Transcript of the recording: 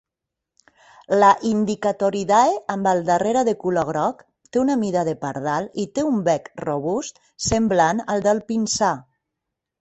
La Indicatoridae amb el darrera de color groc té una mida de pardal i té un bec robust semblant al del pinsà.